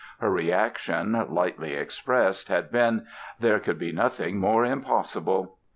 Her reaction, lightly expressed, had been "There could be nothing more impossible!"